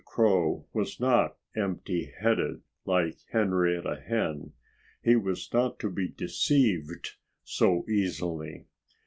Crow was not empty headed, like Henrietta Hen. He was not to be deceived so easily.